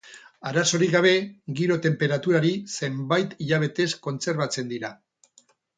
Arazorik gabe, giro-tenperaturari, zenbait hilabetez kontserbatzen dira.